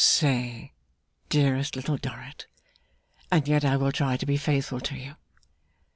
'Say, dearest Little Dorrit, and yet I will try to be faithful to you.